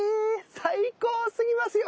最高すぎますよ！